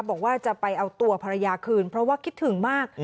บอกว่าจะไปเอาตัวภรรยาคืนเพราะว่าคิดถึงมาก